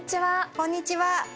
こんにちは。